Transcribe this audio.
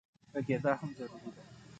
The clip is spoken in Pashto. غږېدا هم ضروري ده.